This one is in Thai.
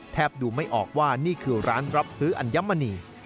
ดูไม่ออกว่านี่คือร้านรับซื้ออัญมณี